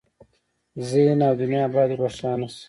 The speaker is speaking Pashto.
ذهن او دنیا باید روښانه شي.